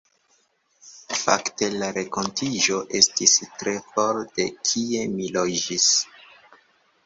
Fakte la renkontiĝo estis tre for de kie mi loĝis.